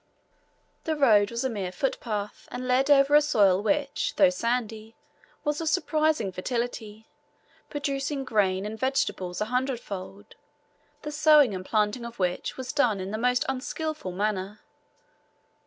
The road was a mere footpath, and led over a soil which, though sandy, was of surprising fertility, producing grain and vegetables a hundredfold, the sowing and planting of which was done in the most unskilful manner.